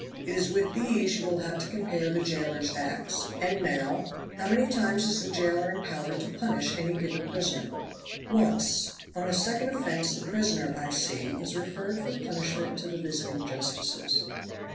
It is with these you will have to compare the jailer's acts. And now, how many times is the jailer empowered to punish any given prisoner?" "Once on a second offense the prisoner, I see, is referred for punishment to the visiting justices."